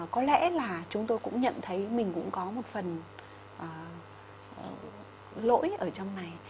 có lẽ là chúng tôi cũng nhận thấy mình cũng có một phần lỗi ở trong này